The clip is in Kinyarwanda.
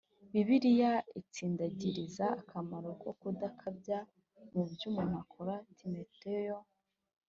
Bibiliya itsindagiriza akamaro ko kudakabya mu byo umuntu akora Timoteyo